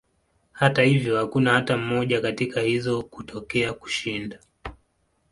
Hata hivyo, hakuna hata moja katika hizo kutokea kushinda.